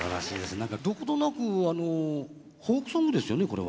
何かどことなくあのフォークソングですよねこれは。